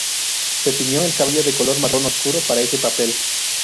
Se tiñó el cabello de color marrón oscuro para ese papel.